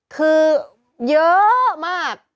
คือเยอะมาก